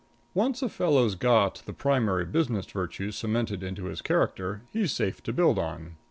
_"] Once a fellow's got the primary business virtues cemented into his character, he's safe to build on.